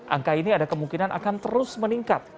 angka ini ada kemungkinan akan terus meningkat